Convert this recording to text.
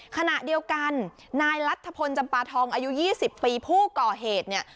ขณะเดียวกันนายรัฐพลจำปาทองอายุ๒๐ปีผู้ก่อเหตุเนี่ย